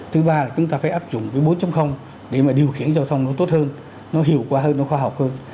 thứ ba là chúng ta phải áp dụng với bốn để mà điều khiển giao thông nó tốt hơn nó hiệu quả hơn nó khoa học hơn